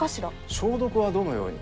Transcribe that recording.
消毒はどのように？